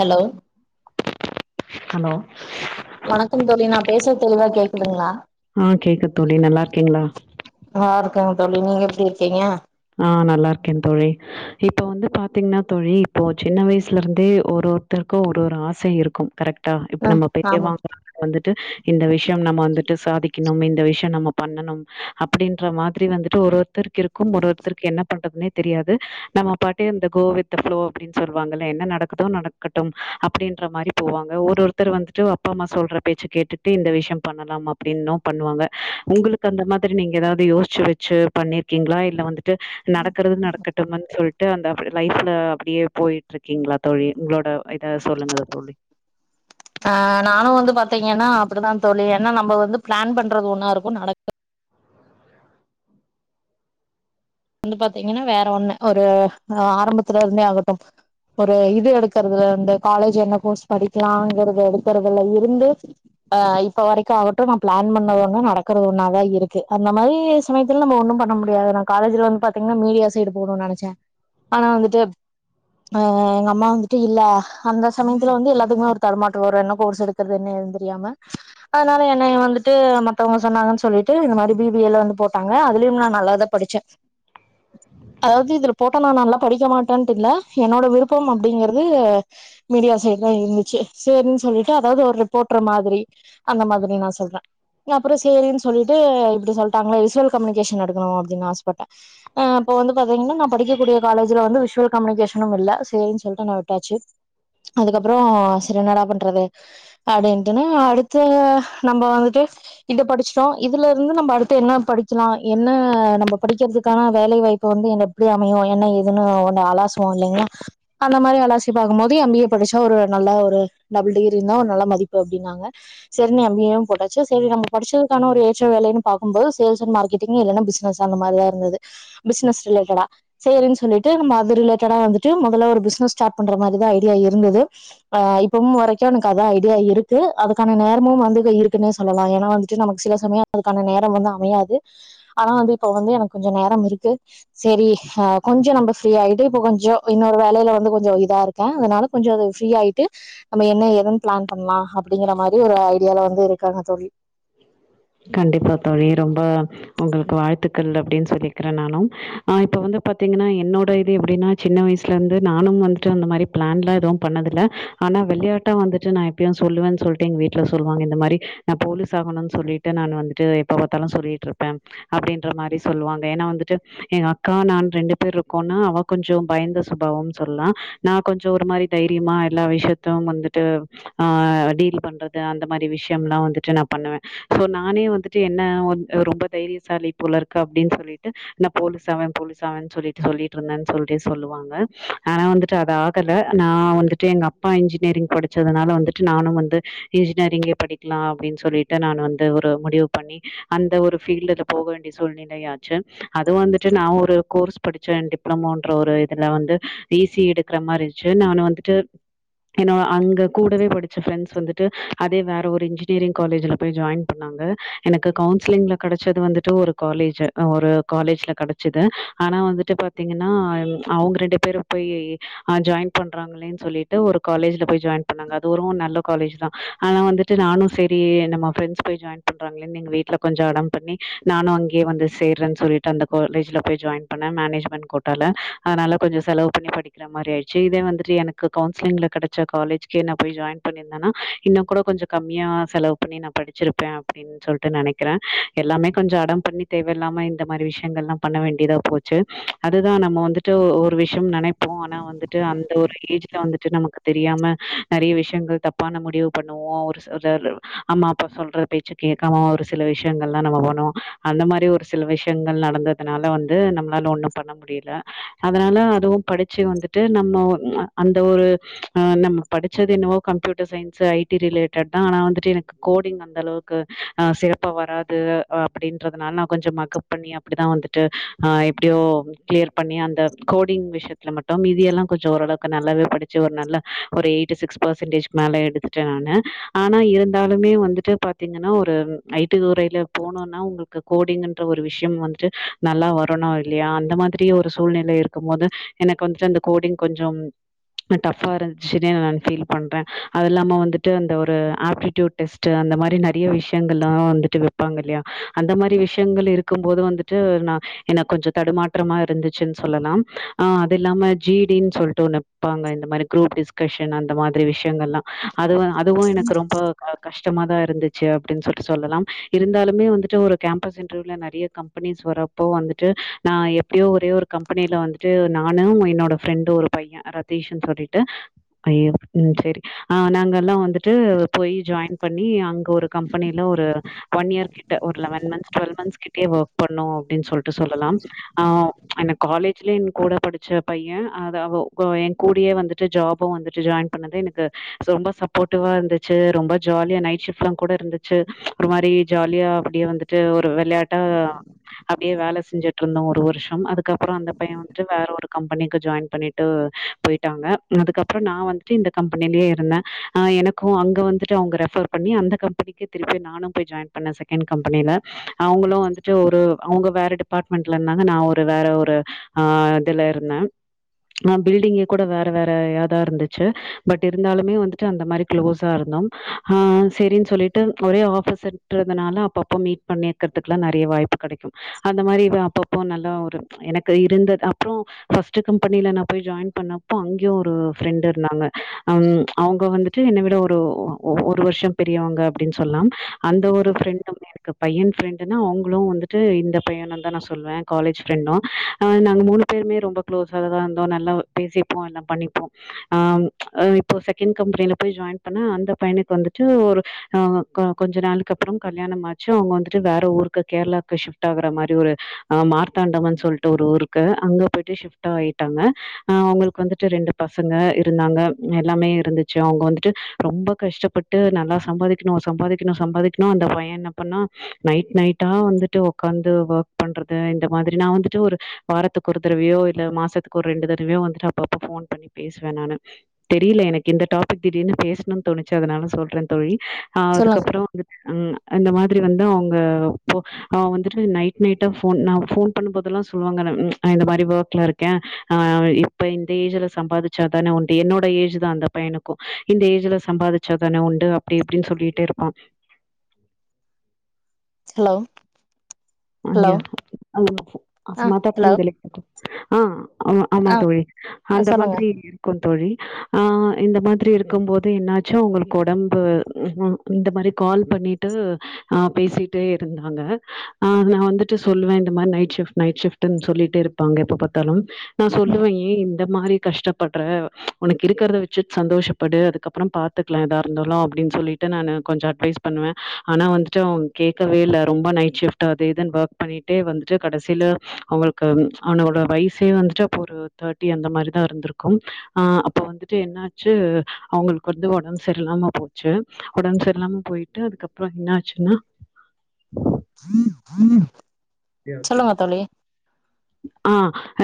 Hello hello வணக்கம் தோழி நா பேசுறது தெளிவா கேக்குதுங்ளா ஆ கேக்குது தோழி நல்லா இருக்கீங்ளா ஆ இருக்கேங் தோழி நீங்க எப்டி இருக்கீங்க ஆ நல்லா இருக்கே தோழி இப்போ வந்து பாத்தீங்னா தோழி இப்போ சின்ன வயிஸ்ல இர்ந்தே ஒரு ஒருத்தருக்கொ ஒரு ஒரு ஆசை இருக்கு கரெக்டா இப்ப ம் நம்ம ஆமா பெறியவாங்க வந்துட்டு இந்த விஷ்யம் நம்ம வந்துட்டு சாதிக்ணும் இந்த விஷ்யம் நம்ம பண்ணணும் அப்டின்ற மாதிரி வந்துட்டு ஒரு ஒருத்தருக்கு இருக்கும் ஒரு ஒருத்தருக்கு என்ன பண்றதுனே தெரியாது நம்ம பாட்டு இந்த கோ வித்து ஃப்ளோ அப்டின் சொல்வாங்கல்ல என்ன நடக்குதோ நடக்கட்டும் அப்டின்ற மாரி போவாங்க ஒரு ஒருத்தர் வந்துட்டு அப்பா அம்மா சொல்ற பேச்சு கேட்டுட்டு இந்த விஷ்யம் பண்ணலாம் அப்படின்னு பண்ணுவாங்க உங்ளுக் க்கு அந்த மாதிரி நீங்க ஏதாவ்து யோஸ்ச்சு வெச்சு பண்ணீர்க்கீங்ளா இல்ல வந்துட்டு நடக்கற்து நடக்கட் டுங்கன் சொல்ட்டு அந்த அப் லைஃப்ல அப்டியே போயிட்ருக்கீங்ளா தோழி உங்ளோட இத சொல்லுங்க தோழி ஆ நானு வந்து பாத்தீங்கன்னா அப்டிதா தோழி ஏன்னா நம்ம வந்து பிளான் பண்றது ஒண்ணா இருக்கு நடக் வந்து பாத்தீங்கனா வேற ஒண்ணு ஒரு ஆரம்பத்துல இர்ந்தே ஆகட்டு ஒரு இது எடுக்கற்துலர்ந்து காலேஜ் என்ன கோர்ஸ் படிக்லாங்கறத எடுக்கற்துலெ இருந்து அ இப்ப வரைக்கு ஆவட்டு நா பிளான் பண்ணது ஒண்ணா நடக்கற ஒண்ணாதா இருக்கு அந்த மாரி ஸ் நேத்தில் நம்ம ஒன்னும்ப ண்ண முடியாது நா காலேஜ்ல வந் பாத்தீங்னா மீடியா சைடு போணுன் நெனச்சே ஆனா வந்துட்டு அ எங்க அம்மா வந்துட்டு இல்ல அந்த சமயத்துல வந்து எல்லாத்துக்குமே ஒரு தரமாட்டு வேர என்ன கோர்ஸ் இருக் கற்து என்ன ஏதுன் தெரியாம அதனால என்னைய வந்துட்டு மத்தவங்க சொன்னாங்கன் சொல்லிட்டு இந்த மாரி பி பி ஏ ல வந்து போட்டாங்க அதுலெயும் நா நல்லாதா படிச்சே அதாவ்து இதுல போட்ட நா நல்லா படிக்க மாட்டேன்ட்டு இல்ல என்னோட விருப்பம் அப்டிங்கிறது மீடியா சைட் தா இருந்துச்சு சேரின்னு சொல்லிட்டு அதாவ்து ஒரு ரிப்போட்ரு மாதிரி அந்த மாதிரி நா சொல்றே அப்புறோ சேரின்னு சொல்லிட்டு இப்டி சொல்லிட்டாங்களே விசுவல் கம்யூனிகேஷன் எடுக்கணு அப்டின்னு ஆசப்பட்டே ஆ இப்போ வந்து பாத்தீங்கன்னா நா படிக்க கூடிய காலேஜல வந்து விஷுவல் கம்யூனிகேஷனுமில்ல சேரின்னு சொல்ட்டு நா விட்டாச்சு அதுக்கப்புறோ செரி என்னடா பண்றது அப்டின்ட்டுன்னா அடுத்து நம்ம வந்துட்டு இத படிச்சிட்டோ இதுல இருந்து நம்ம அடுத்து என்ன படிக்கலா என்ன நம்ம படிக்கிறதுக்கான வேலைவாய்ப்பு வந்து என்ன எப்டி அமையு என்ன ஏதுன்னு ஒண்ண அலாசுவாங் இல்லைங்களா அந்த மாதிரி அலாசி பாக்கும்போது எம்பிஏ படிச்சா ஒரு நல்ல ஒரு டபுள் டிகிரி இருந்தா ஒரு நல்ல மதிப்பு அப்டின்னாங்க சேரி னு அம் பி ஏ வு போட்டாச்சு செரி நம்ம படிச்சதுக்கான ஒரு ஏற்ற வேலைன்னு பாகும்போது சேல்ஸ் அண்ட் மார்கெட் இன்னு இதனா பிஸ்னஸ் அந்த மாரிதா இருந்தது பிஸ்னஸ் ரிலேட்டடா சேரின்னு சொல்லிட்டு நம்ம அது ரிலேட்டடா வந்துட்டு முதல்ல ஒரு பிசினஸ் ஸ்டார்ட் பண்ற மாரிதா ஐடியா இருந்தது ஆ இப்பவும் வரைக்கு எனக்கு அதா ஐடியா இருக்கு அதுக்கான நேரமும் வந்து இப்ப இருக்குன்னே சொல்லலா ஏன்னா வந்து நமக்கு சில சமயம் அதுக்கான நேரம் வந்து அமையாது ஆனா வந்து இப்ப வந்து எனக்கு கொஞ்ச நேரம் இருக்கு செரி ஆ கொஞ்சோ நம்ம ஃப்ரீயா ஆயிட்டு இப்ப கொஞ்சோ இன்னொரு வேலையில வந்து கொஞ்சோ இதா இருக் அ அதனால கொஞ்சோ அது ஃப்ரீயாயிட்டு நம்ம என்ன எதன் பிளான் பண்லா அப்படிங்கற மாரி ஒரு ஐடியால வந்து இருக்காங்க தோழி கண்டிப்பா தோழி ரொம்ப உங்களுக்கு வாழ்த்துக்கள் அப்டின்னு சொல்லிக்கிறே நானு ஆ இப்ப வந்து பாத்தீங்கன்னா என்னோட இது எப்டின்னா சின்ன வயஸ்ல இருந்து நானும் வந்துட்டு அந்த மாரி பிளான் லா எதுவு பண்ணதில்ல ஆனா விளயாட்டா வந்துட்டு நா எப்பயு சொல்லுவேன்னு சொல்ட்டு எங்க வீட்ல சொல்லுவாங்க இந்த மாரி நா போலீஸ் ஆகணுனு சொல்லிட்டு நானு வந்துட்டு எப்ப பாத்தாலு சொல்லிட்ருப்பே அப்டின்ற மாரி சொல்லுவாங்க ஏன்னா வந்துட்டு எங்க அக்கா நான் ரெண்டு பேர் இருக்கோனா அவ கொஞ்சோ பயந்த சுபாவம்னு சொல்லா நா கொஞ்சோ ஒரு மாரி தைரியமா எல்லா விஷ்யத்லும் வந்துட்டு ஆ டீல் பண்றது அந்த மாதிரி விஷயம் எல்லா வந்துட்டு நம் பண்ணுவே சோ நானே வந்துட்டு என்ன ரொம்ப தைரியசாலி போல இருக்கு அப்டின்னு சொல்லிட்டு ந போலீஸ் ஆவே போலீஸாவன்னு சொல்லிட்டு சொல்லிட்டு இருந்தே சொல்லிட்டு சொல்லுவாங்க ஆனா வந்து அது ஆகல நா வந்துட்டு எங்க அப்பா இன்ஜினியரிங் படிச்சதுனால வந்துட்டு நானு வந்து இன்ஜினியரிங்கே படி இருக்கலா அப்டின்னு சொல்லிட்டு நா வந்து ஒரு முடிவு பண்ணி அந்த ஒரு ஃபீல்ட்ல போக வேண்டிய சூழ்நிலையாச்சு அது வந்துட்டு நா ஒரு கோர்ஸ் படிச்சே டிப்ளமோன்ற ஒரு இதுல வந்து ஈசி எடுக்கிற மாதிரிச்சு நானு வந்துட்டு என்னோட அங்க கூடவே படிச்ச ஃப்ரெண்ட்ஸ் வந்துட்டு அதே வேற ஒரு இன்ஜினியரிங் காலேஜ்ல ஜாயின் பண்ணாங்க எனக்கு கவுன்சிலிங்ல கடச்சது வந்துட்டு ஒரு காலேஜ் ஒரு காலேஜ்ல கடச் ச்சுது ஆனா வந்துட்டு பாத்தீங்கன்னா அவங்க ரெண்டு பேரும் போய் ஆ ஜாயின் பண்றாங்களே சொல்லிட்டு ஒரு காலேஜ்ல போய் ஜாயின் பண்ணாங்க அது ஒரு நல்ல காலேஜ் தா ஆனா வந்துட்டு நானு சரி நம்ம ஃப்ரண்ட்ஸ் போய் ஜாயின் பண்றாங்களே எங் வீட்டுல கொஞ்ச அடம் பண்ணி நானு அங்கே வந்து சேர்னு சொல்லிட்டு அந்த காலேஜ்ல போய் ஜாயின் பண்ண மேனேஜ்மெண்ட் கோட்டால அதனால கொஞ்சோ செலவு பண்ணி படிக்க இந்த மாரி ஆயிச்சு இதே வந்துட்டு எனக்கு கவுன்சிலிங்ல கடைச்ச காலேஜ்கே நா போய் ஜாயின் பண்ணியிருந்தனா இன்னு கூட கொஞ்சம் கம்மியா செலவு பண்ணி நா படிச்சிருப்பே அப்டின் சொல்ட்டு நனைக்குற எல்லாமே கொஞ்சோ அடம் பண்ணி தேவையில்லாம இந்த மாதிரி விஷயங்கல்லா பண்ண வேண்டிதா போச் ச்சு அதுதா நம்ம வந்துட்டு ஒரு விஷயம் நினைப்போ ஆனா வந்துட்டு அந்த ஒரு ஏஜ்ல வந்துட்டு நமக்கு தெரியாம நறைய விஷயங்கள் தப்பான முடிவு பண்ணுவோ ஒருசிலர் ஆமா இப்ப சொல்ற பேச்சு கேக்காம ஒரு சில விஷயங்கள்லா நம்ம பண்ணுவோ அந்த மாதிரி ஒரு சில விஷயங்கள் நடந்தது அதனால வந்து நம்மளால ஒண்ணு பண்ண முடியல அதனால அதுவு படிச்சு வந்துட்டு நம்ம ஒரு அந்த ஒரு அ நம்ம படிச்சது எனவோ கம்யூட்டர் சயின்ஸ ஐடி ரிலேட்டட் தா ஆனா வந்துட்டு எனக்கு கோடிங் அந்த அளவுக்கு ஆ சிறப்பா வராது அப்டின்றதுனால நா கொஞ்சம் மக்கப் பண்ணி அப்டிதா வந்துட்டு ஆ எப்டியோ கிளியர் பண்ணி அந்த கோடிங் விஷயத்துல மட்டு மீதியல்லா கொஞ்சோ ஓரளவுக்கு நல்லாவே படிச்சு ஒரு நல்லா ஒரு எயிட்டிசிக்ஸ் பர்சன்டேஜ் மேல எடுத்துட்ட நானு ஆனா இருந்தாலு லுமே பாத்தீங்கன்னா ஒரு ஐடி துறையில போனோனா உங்களுக்கு கோடிங்ன்ற ஒரு விஷயம் வந்துட்டு நல்லா வரணு இல்லையா அந்த மாதிரி ஒரு சூழ்நிலை இருக்கு போது எனக்கு வந்துட்டு அந்த கோடிங் கொஞ்சம் டஃபா இருந்துச்சுன்னே நா ஃபீல் பண்றே அது இல்லாம வந்துட்டு அந்த ஒரு ஆப்டிடியூட் டெஸ்ட் அந்த மாதிரி நறைய விஷயங்கள்ல்லா வந்துட்டு வைப்பாங்க இல்லையா அந்த மாதிரி விஷயங்கள் இருக்கும்போது வந்துட்டு ட்டு நா எனக்கு கொஞ்சம் தடுமாற்றமா இருந்துச்சுன்னு சொல்லலாம் ஆ அது இல்லாம ஜிடினு சொல்ட்டு ஒனு வப்பாங்க இந்த மாதிரி குரூப் டிஸ்கஷன் அந்த மாதிரி விஷயங்கள்லா அதுவு அதுவு எனக்கு ரொம்ப அ கஷ்டமா தா இருந்துச்சு அப்டின்னு சொல்ட்டு சொல்லலா இருந்தாலுமே வந்துட்டு ஒரு கேம்பஸ் இன்டர்வியூல நறைய கம் கம்பனிஸ் வரப்போ வந்துட்டு நா எப்படியோ ஒரே ஒரு கம்பெனில வந்துட்டு நானு என்னோட ஃப்ரெண்ட்டு ஒரு பையன் ரதீஷன்னு சொல்ட்டு ஐயோ ம் சரி ஆ நாங்கல்லா வந்துட்டு போய் ஜாயின் பண்ணி அங்க ஒரு கம்பெனியில ஒரு ஒன் இயர்ர்கிட்ட ஒரு லெவன் மந்த் டுவெல் மந்த்ஸ் கிட்டயே ஒர்க் பண்ணோ அப்டின்னு சொல்ட்டு சொல்லலாம் ஆவ் என் காலேஜ்லயே எ கூட படிச்ச பையன் அ அது அவ எ கூடயே வந்துட்டு ட்டு ஜாபும் வந்துட்டு ஜாயின் பண்ணது எனக்கு ரொம்ப சப்போ்ட்டிவா இருந்துச் ச்சு ரொம்ப ஜாலியா நைட் ஷிஃப்ட்ல்லா கூட இருந்துச்சு ஒரு மாதிரி ஜாலியா அப்டியே வந்துட்டு ஒரு விளையாட் ட்ட அப்படியே ஆ அப்டியே வேல செஞ்சுட்டு இருந்தோ ஒரு வருஷோ அதுக்கப்புறோ அந்த பையன் வந்துட்டு வேற ஒரு கம்பெனிக்கு ஜாயின் பண்ணிட்டு ட்டு போயிட்டாங்க அதுக்கப்புறோ நா வந்துட்டு இந்த கம்பெனிலே இருந்தே எனக்கு ஓ அங்க வந்துட்டு அவுங்க ரெஃபர் பண்ணி அந்த கம்பெனிக்கு திருப்பி நானு போய் ஜாயின் பண்ணே செகண்ட் கம்பெனில அவுங்களு வந்துட்டு ஒரு அவுங்க வேற டிபார்ட்மெண்ட்ல இருந்தாங்க நா ஒரு வேற ஒரு அ இதுல இருந்தே ஆ பில்டிங்கே கூட வேற வேற ஏதா இருந்துச்சு பட் இருந்தாலுமே வந்துட்டு அந்த மாரி க்ளோஸா இருந்தோம் அ செரின் சொல்லிட்டு ஒரே ஆஃபீஸுன்றதுனால அப்பப்ப மீட் பண்ணி இருக்கற்துக்ல்லா நெறைய வாய்ப்பு கெடைக்கு அந்த மாரி இவெ அப்பப்போ நல்லா ஒரு எனக்கு இருந்தது அப்போ ஃபஸ்ட்டு கம்பெனில நா போய் ஜாயின் பண்ணப்போ அங்கெயு ஒரு ஃப்ரெண்டு இருந்தாங்க அ அவுங்க வந்து ட்டு என்ன விட ஒரு ஒரு வர்ஷோ பெரியவுங்க அப்டின்னு சொல்லாம் அந்த ஒரு ஃப்ரெண்ட [inaudible] எனக்கு பையென் ஃப்ரெண்டுன்னா அவுங்களு வந்துட்டு இந்த பையனுந் தா நா சொல்லுவே காலேஜ் ஃப்ரெண்டு நாங்க மூனு பேருமே ரொம்ப க்ளோசாதா இருந்தோ நல்லா பேசிப்போ எல்லா பண்ணிப்போ ஆம் இப்போ செகண்ட் கம்பெனில போய் ஜாயின் பண்ணே அந்த பயனுக்கு வந்துட்டு ஒரு அ கொஞ்ச நாளுக்கு அப்பறம் கல்யாணம் ஆச்சு அவுங்க வந்துட்டு வேற ஊருக்கு கேரளாக்கு சிஃப்ட் ஆகுற மாரி ஒரு அ மார்தாண்டவ சொல்ட்டு ஒரு ஊருக்கு அங்க போய்ட்டு சிஃப்ட் ஆயிடாங்க அ அவுங்களுக் வந்துட்டு ரெண்டு பசங்க இருதாங்க எல்லாமே இருந்துச்சு அவுங்க வந்துட்டு ரொம்ப கஸ்டபட்டு நல்லா சம்பாதிக்கணு சம்பாதிக்கணு சம்பாதிக்கணு அந்த பையெ என்ன பண்ணா நைட் நைட்டா வந்துட்டு ஒக்காந்து வோக் பண்றது இந்த மாதிரி நா வந்துட்டு ஒரு வாரத்துக்கு ஒரு தரவையோ இல்ல மாசத்துக்கு ஒரு ரெண்டு தடவையோ வந்துட்டு அப்ப அப்ப ஃபோன் பண்ணி பேசுவே நானு தெரியல எனக்கு இந்த டாக் திடீர்னு பேசணுன் தேணுச்சு அதுனால சொல்றே தோழி சொல்லுங்க அதுக்கப்பறொ வந்துட்டு ம் அந்த மாரி வந்து அவுங்க பொ அவுங் வந்துட் நைட் நைட்டா ஃபோன் நா ஃபோன் பண்ணுபோதெல்லா சொல்லுவாங்க நா இந்த மாரி வோக்ல இருக்கே இந்த ஏஜ்ல சம்பாதிச்சா தானே உண்டு என்னோட ஏஜ் தா அந்த பையனுக் கு இந்த ஏஜ்ல சம்பாதிச்சா தானே உண்டு அப்டி இப்டின்னு சொல்லிட்டே இருப்பா ஹலோ ஹலோ அங்கியா ஆ ஹலோ [unintelligible] ஆ ஆமா ஆமா ஆ தோழி ஆ, அந்த சொல்லுங்க மாதுரி இருக்கு தோழி அ இந்த மாதிரி இருக்கும் போது என்னாச்சு அவுங்ளுக் ஒடம்பு இந்த மாரி கால் பண்ணிட்டு அ பேசிட்டே இருதாங்க ஆ நா வந்துட்டு சொல்லுவே இந்த மாரி நைட் சிஃப்ட் நைட் சிஃப்டுன் சொல்லிட்டே இருபாங்க எப்பபாத்தாலு நா ம் சொல்லுவே ஏ இந்த மாரி கஷ்டம் பட்ற ஒனக்கு இருக்கிறத வச்சி சந்தோஷபடு அதுகப்பறொ பாத்துக்லா எதா இருதாலு அப்டின் சொல்லி ட்டு நானு கொஞ்சொ அட்வைஸ் பன்னுவே ஆனா வந்துட்டு அவ கேக்கவே இல்ல ரொம்ப நைட் சிஃப்ட் அத இதுனு ஒர்க் பண்ணிட்டே வந்துட்டு கடசில அவுங்களுக்கு அவனோட வயசே வந்துட்டு அப்போ ஒரு தேர்ட்டி அந்த மாரிதா இருந்துருக்கும் ஆ அப்போ வந்துட்டு என்னாச்சு அவுங்களுக்கு வந்து ஒடம்பு சரி இல்லாம போச்சு ஒடம்பு சரில்லாம போயிட்டு அதுகப்றொ என்ன ஆச்சுன்னா உ உ [unintelligible] [inaudible] ஆ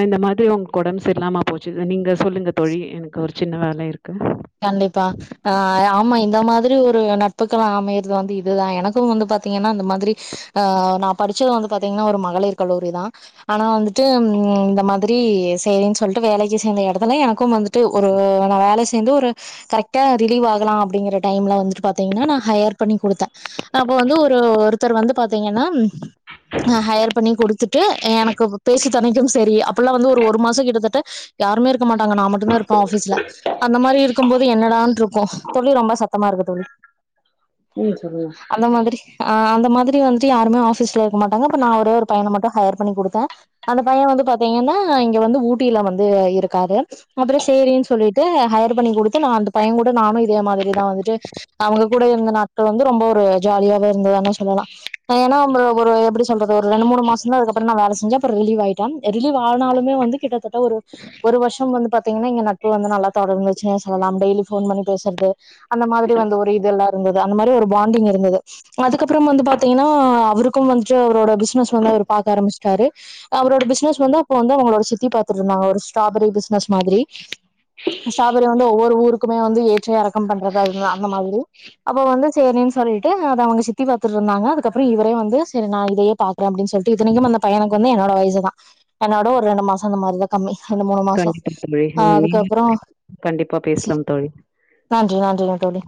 இந்த மாத்ரி அவுங்க் ஒடம்பு செரில்லாம போச்சு நீங்க சொல்லுங்க தோழி எனக் ஒரு சின்ன வேல இருக்கு கண்டிப்பா அ ஆமா இந்த மாதிரி ஒரு நட்புக்கலா அமையற்து வந்து இதுதா எனக்கு வந்து பாத்திங்கன்னா இந்த மாதிரி அ நா படுச்சது வந்து பாத்திங்கன்னா ஒரு மகளிர் கல்லூரி தா ஆனா வந்துட்டு இந்த மாதுரி சேரின் சொல்ட்டு வேலக்கி சேந்த எடத்துல எனக்கு வந்துட் டு ஒரு நா வேல சேந்து ஒரு கரெக்டா ரிலீவ் ஆகலா அப்டிங்குற டைம்ல வந்துட்டு பாத்திங்கன்னா நா ஹையர் பண்ணி குடுத்தே அப்போ வந்து ஒரு ஒருதர் வந்து பாத்தீங்ன்னா நா ஹையர் பண்ணி குடுத்துட்டு எனக்கு பேச்சு துணைக்கும் செரி அப்பல்லா வந்து ஒரு ஒரு மாசொ கிட்டத்தட்ட யாருமே இருக்க மாட்டங்க நா மட்டுதா இருப்ப ஆபீஸ்ல அந்த மாதரி இருக்கும்போது என்னடாட்டு இருக்கு தோழி ரொம்ப சத்தமா இருக்கு தோழி [unintelligible] அந்த மாதிரி அ அந்த மாதிரி வந்ட்டு யாருமே ஆஃபீஸ்ல இருக்க மாட்டாங்க அப்ப நா ஒரே ஒரு பையன மட்டு ஹையர் பண்ணி குடுத்தே அந்த பைய வந்து பாத்தீங்கன்னா இங்க வந்து ஊட்டியில வந்து இருக்காரு அப்ரோ சேரின் சொல்லி ட்டு ஹையர் பண்ணி குடுத்து நா அந்த பைய கூட நானு இதே மாரிதா வந்துட்டு அவுங்க கூட இருந்த நாட்கள் வந்து ரொம்ப ஒரு ஜாலியாவே இருந்ததானா சொல்லலா ஆ ஏனா ஒரு எப்டி சொல்றது ஒரு ரெண்டு மூணு மாசந்தா இதுக்குப்ரோ நா வேல செஞ்ச அப்ரோ ரிலீவ் ஆயிட்டே ரிலீவ் ஆனாலுமே வந்து கிட்டத்தட்ட ஒரு ஒரு வருஷம் வந்து பாத்தீங்கன்னா எங்க நட்பு வந்து நல்லா தொடர்ந்துச்சுனே சொல்லலாம் டெய்லி போன் பண்ணி பேசரது அந்த மாரி வந்த ஒரு இதெல்லா இருந்தது அந்த மாரி ஒரு பாண்டிங் இருந்தது அதுக்கப்புறம் வந்து பாத்தீங்கன்னா அவருக்கும் வந்துட்டு அவரோட பிசினஸ் வந்து அவரு பாக்க ஆரம்பிச்சுட்டாரு அவரோட பிசினஸ் வந்து அப்ப வந்து அவங்களோட சித்தி பாத்துட்டு இருந்தாங்க ஒரு ஸ்ட்ராபெரி பிசினஸ் மாரி ஸ்டாபரி வந்து ஒவ்வொரு ஊருக்குமே வந்து ஏற்ற இறக்கம் பண்றது அது அந்த மாரி அப்ப வந்து சேரின்னு சொல்லிட்டு அத அவங்க சித்தி பாத்துட்டு இருந்தாங்க அதுக்கப்ரோ இவரே வந்து சேரி நா இதையே பாத் அப்டின்னு சொல்லிட்டு இத்தனைக்கும் அந்த பையக்கு வந்து என்னோட வயசு தா என்னோட ஒரு ரெண்டு மாசொ அந்த மாரிதா கம்மி ரெண்டு மூணு மாசொ கண்டிப்பா தோழி. ஆ ம். அதுக்கு நீங்களும் அப்புறம் கண்டிப்பா சே பேசலாம் தோழி. நன்றி நன்றிக தோழி